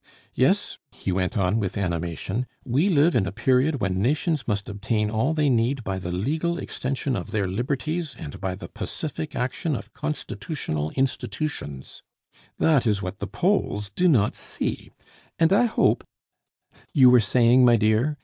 "Yes," he went on with animation, "we live in a period when nations must obtain all they need by the legal extension of their liberties and by the pacific action of Constitutional Institutions; that is what the Poles do not see, and I hope "You were saying, my dear?